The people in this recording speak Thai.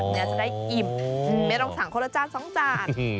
น่าจะได้อิ่มไม่ต้องสั่งคนละจาน๒จาน